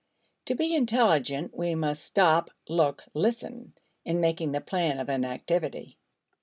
To be intelligent we must "stop, look, listen" in making the plan of an activity.